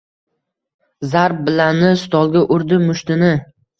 Zarb bilani stolga urdi mushtini.